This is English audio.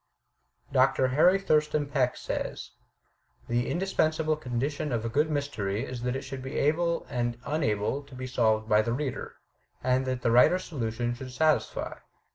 Dr. Harry Thurston Peck says: "The indispensable condition of a good mystery is that it should be able and unable to be solved by the reader, and that the writer's solution should satisfy.